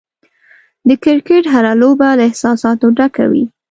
د کرکټ هره لوبه له احساساتو ډکه وي.